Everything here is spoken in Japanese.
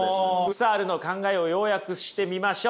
フッサールの考えを要約してみましょう。